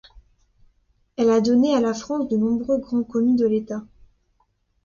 Elle a donnée à la France de nombreux grands commis de l'État.